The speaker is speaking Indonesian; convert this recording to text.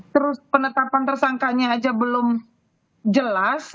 terus penetapan tersangkanya aja belum jelas